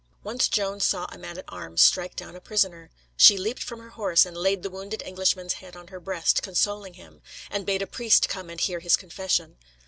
Once Joan saw a man at arms strike down a prisoner. She leaped from her horse, and laid the wounded Englishman's head on her breast, consoling him, and bade a priest come and hear his confession.